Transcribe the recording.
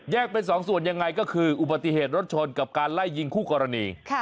เป็นสองส่วนยังไงก็คืออุบัติเหตุรถชนกับการไล่ยิงคู่กรณี